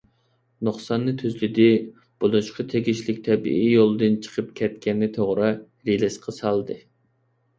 نۇقساننى تۈزلىدى، بولۇشقا تېگىشلىك تەبىئىي يولىدىن چىقىپ كەتكەننى توغرا رېلىسقا سالدى.